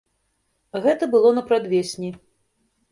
Гэта было на прадвесні.